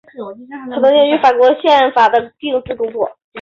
他曾参与法国宪法的制订工作。